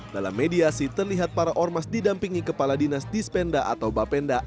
dalam mediasi terlihat para ormas didampingi kepala dinas dispenda atau bapenda